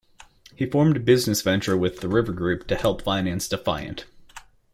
He formed a business venture with The River Group to help finance Defiant.